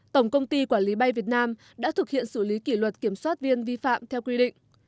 tổng công ty quản lý bay việt nam đã thực hiện xử lý kỷ luật kiểm soát viên vi phạm theo quy định